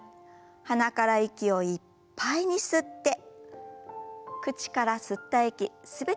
鼻から息をいっぱいに吸って口から吸った息全て吐き出しましょう。